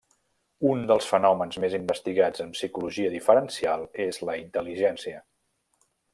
Un dels fenòmens més investigats en Psicologia Diferencial és la intel·ligència.